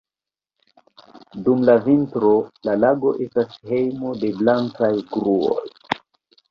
Dum la vintro, la lago estas hejmo de blankaj gruoj.